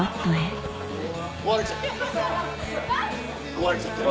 壊れちゃった。